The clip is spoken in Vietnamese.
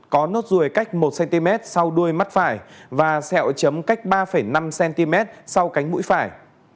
có nốt ruồi cách một cm sau đuôi mắt phải và sẹo chấm cách ba năm cm sau cánh mũi phải